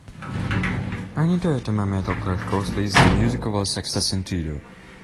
I need to add to my metal crash course list the music of El sexto sentido